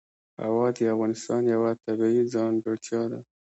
هوا د افغانستان یوه طبیعي ځانګړتیا ده.